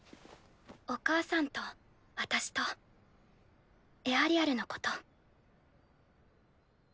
お母さんと私とエアリアルのこと。